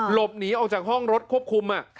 หลบหนีออกจากห้องรถควบคุม